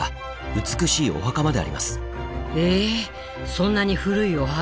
そんなに古いお墓？